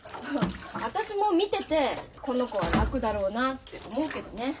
私も見ててこの子は楽だろうなって思うけどね。